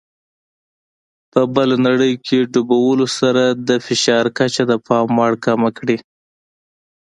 په بله نړۍ کې ډوبولو سره د فشار کچه د پام وړ کمه کړي.